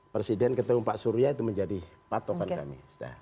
presiden ketemu pak surya itu menjadi patokan kami